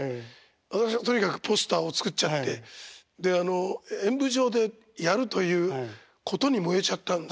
私はとにかくポスターを作っちゃってであの演舞場でやるということに燃えちゃったんですね。